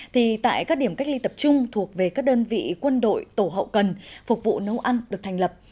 thì tại các điểm cách ly tập trung thuộc về các đơn vị quân đội tổ hậu cần phục vụ nấu ăn được thành lập